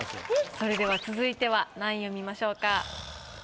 それでは続いては何位を見ましょうか？